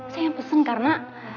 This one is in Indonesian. saya yang pesen karena